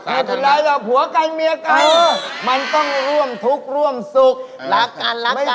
เปิดเผยแล้วผัวกันเมียกันมันต้องร่วมทุกข์ร่วมสุขรักกันรักกัน